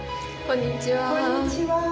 こんにちは。